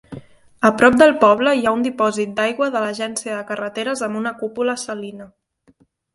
A prop del poble hi ha un dipòsit d'aigua de l'Agència de Carreteres amb una cúpula salina.